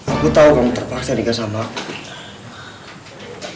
aku tau kamu terpaksa nikah sama aku